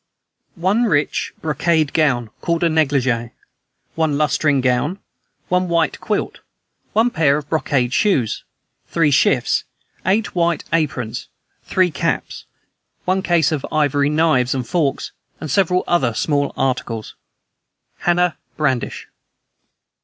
one rich brocade gown, called a negligee, one lutestring gown, one white quilt, one pair of brocade shoes, three shifts, eight white aprons, three caps, one case of ivory knives and forks, and several other small articles. "HANNAH BRADISH."